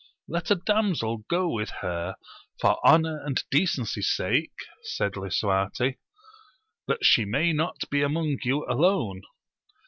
Let a damsel go with her, for honour and decency sake, said Lisuarte, that she may not be among you alone.